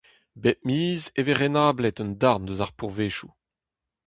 Bep miz e vez renablet un darn eus ar pourvezioù.